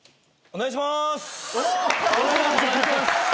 お願いします